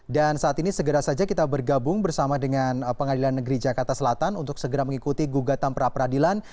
dan saat ini segera saja kita bergabung bersama dengan pengadilan negeri jakarta selatan untuk segera mengikuti gugatan perapradilan